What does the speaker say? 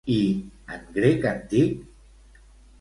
I en grec antic?